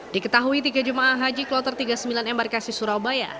diketahui tiga jemaah haji kloter tiga puluh sembilan embarkasi surabaya